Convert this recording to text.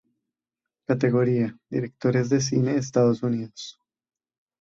Categoría:Directores de cine de Estados Unidos